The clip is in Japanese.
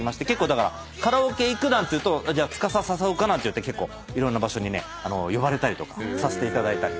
だからカラオケ行くなんていうと「司誘うか」なんていって結構いろんな場所に呼ばれたりとかさせていただいたり。